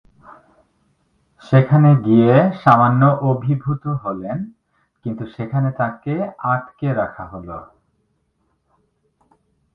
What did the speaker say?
সেখানে গিয়ে সামান্য অভিভূত হলেন কিন্তু সেখানে তাকে আটকে রাখা হল।